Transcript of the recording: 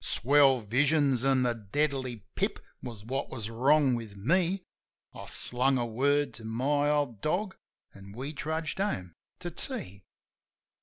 Swell visions an' the deadly pip was what was wrong with me. I slung a word to my old dog, an' we trudged home to tea.